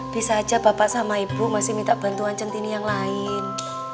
bisa aja bapak sama ibu masih minta bantuan centini yang lain